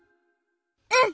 うん！